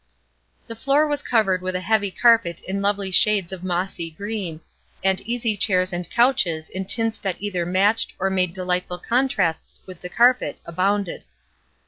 The floor was covered with a heavy carpet in lovely shades of mossy green, and easy chairs and couches in tints that either matched or made delightful contrasts with the carpet abounded.